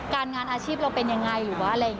การงานอาชีพเราเป็นยังไง